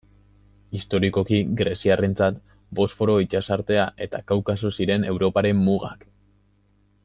Historikoki, greziarrentzat Bosforo itsasartea eta Kaukaso ziren Europaren mugak.